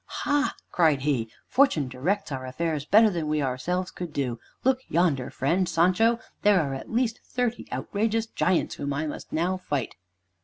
"Ha!" cried he. "Fortune directs our affairs better than we ourselves could do. Look yonder, friend Sancho, there are at at least thirty outrageous giants whom I must now fight."